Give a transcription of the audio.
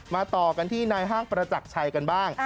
ต่อกันที่นายห้างประจักรชัยกันบ้าง